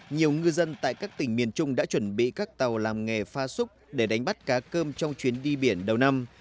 nhiều ngư dân tại các tỉnh miền trung đã chuẩn bị các tàu làm nghề pha súc để đánh bắt cá cơm trong chuyến đi biển đầu năm